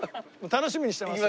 楽しみにしてます。